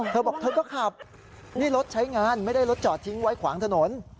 เธอบอกเธอก็ขับนี่รถใช้งานไม่ได้รถจอดทิ้งไว้ขวางถนน